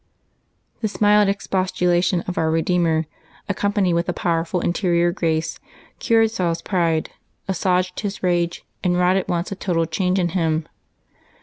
This mild expostulation of Our Eedeemer, accompanied with a powerful interior grace, cured Saul's pride, assuaged his rage, and wrought at once a total change in him.